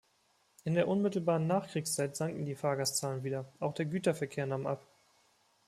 In der unmittelbaren Nachkriegszeit sanken die Fahrgastzahlen wieder, auch der Güterverkehr nahm ab.